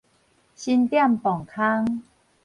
新店磅空